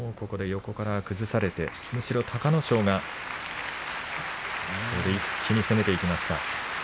ここで横から崩されてむしろ隆の勝が一気に攻めていきました。